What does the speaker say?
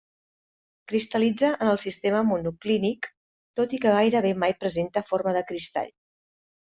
Cristal·litza en el sistema monoclínic tot i que gairebé mai presenta forma de cristall.